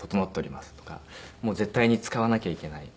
もう絶対に使わなきゃいけない。